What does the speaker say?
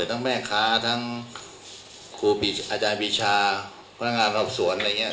ทั้งแม่ค้าทั้งครูอาจารย์ปีชาพนักงานสอบสวนอะไรอย่างนี้